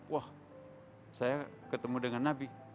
wah saya ketemu dengan nabi